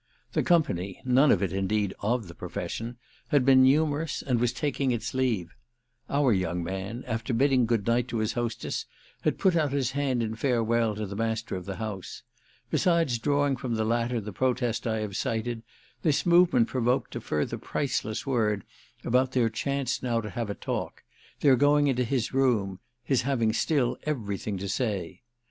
The company—none of it indeed of the profession—had been numerous and was taking its leave; our young man, after bidding good night to his hostess, had put out his hand in farewell to the master of the house. Besides drawing from the latter the protest I have cited this movement provoked a further priceless word about their chance now to have a talk, their going into his room, his having still everything to say.